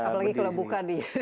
apalagi kalau bukan di